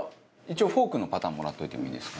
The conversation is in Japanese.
一応フォークのパターンももらっておいてもいいですか？